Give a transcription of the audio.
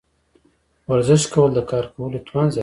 ورزش کول د کار کولو توان زیاتوي.